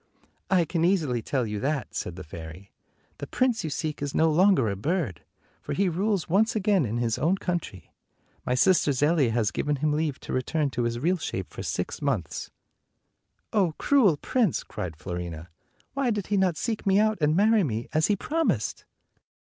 " I can easily tell you that," said the fairy. "The prince you seek is no longer a bird, for he rules once again in his own country. My sister Zelia has given him leave to return to his real shape for six months." "Oh, cruel prince!" cried Fiorina. "Why did he not seek me out and marry me, as he promised?"